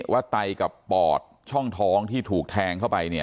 ว่าไตกับปอดช่องท้องที่ถูกแทงเข้าไปเนี่ย